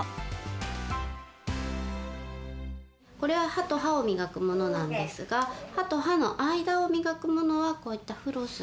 これは歯と歯をみがくものなんですが歯と歯の間をみがくものはこういったフロス。